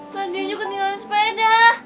tadi aja ketinggalan sepeda